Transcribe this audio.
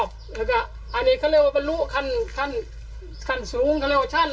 ครับอันนี้เค้าเรียกว่าบรรลุคันคันคันสูงเค้าเรียกว่าชั้น